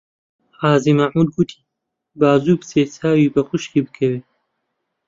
حاجی مەحموود گوتی: با زوو بچێ چاوی بە خوشکی بکەوێ